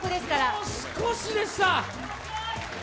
もう少しでした。